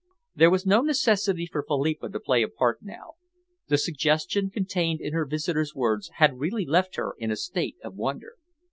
There was no necessity for Philippa to play a part now. The suggestion contained in her visitor's words had really left her in a state of wonder.